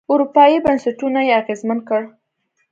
اروپايي بنسټونه یې اغېزمن کړل.